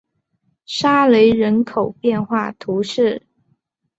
沙雷人口变化图示